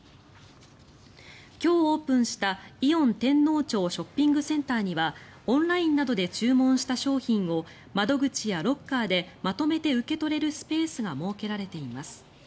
今日オープンしたイオン天王町ショッピングセンターにはオンラインなどで注文した商品を窓口やロッカーでまとめて受け取れるスペースが設けられています。